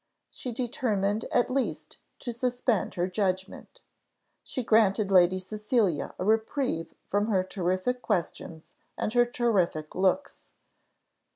She determined at least to suspend her judgment; she granted Lady Cecilia a reprieve from her terrific questions and her as terrific looks.